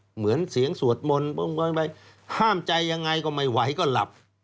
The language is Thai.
เหมือนเสียงสวดมนต์ไปห้ามใจยังไงก็ไม่ไหวก็หลับ